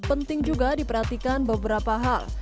penting juga diperhatikan beberapa hal